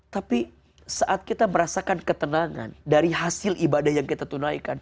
tapi saat kita merasakan ketenangan dari hasil ibadah yang kita tunaikan